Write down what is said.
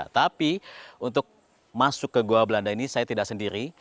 tapi untuk masuk ke gua belanda ini saya tidak sendiri